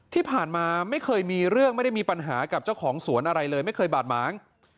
ที่ผ่านมาไม่เคยมีเรื่องไม่ได้มีปัญหากับเจ้าของสวนอะไรเลยไม่เคยบาดหมาง